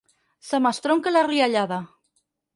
Se m'estronca la riallada.